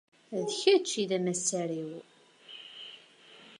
D kečč i d amassar-iw.